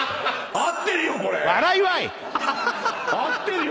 合ってるよ。